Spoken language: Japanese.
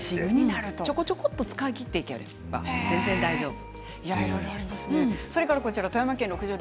ちょこちょこっと使い切っていけば全然大丈夫。